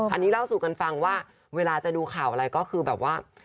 อันนี้เล่าสู่กันฟังว่าเวลาจะดูข่าวอะไรก็คือแบบว่า